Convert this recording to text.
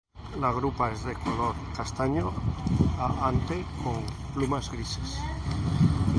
La grupa es de color castaño a ante con plumas grises.